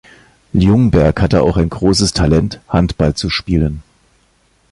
Ljungberg hatte auch ein großes Talent, Handball zu spielen.